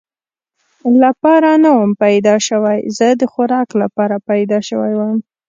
لپاره نه ووم پیدا شوی، زه د خوراک لپاره پیدا شوی ووم.